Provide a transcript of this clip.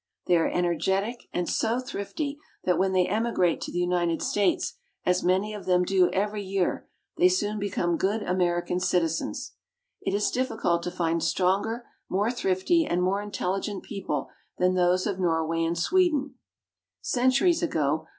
They are energetic, and so thrifty that when they emigrate to the United States, as many of them do every year, they soon become good American citizens. It is diffi cult to find stronger, more thrifty, and more intelligent people than those of Norway and Sweden. Centuries ago, TRAVELS IN NORWAY AND SWEDEN.